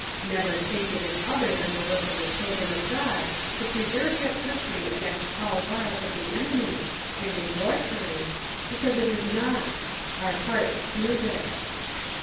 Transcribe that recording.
Never think it is other than the work of the children of God to preserve your country against all wiles of the enemy and in war times, because it is not; our hearts prove it.